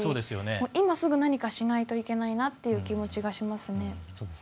今すぐ何かしないといけないなという気がしますね。